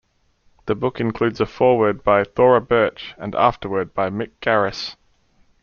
The book includes a foreword by Thora Birch and afterword by Mick Garris.